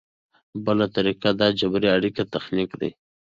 بله طریقه د جبري اړیکو تخنیک دی.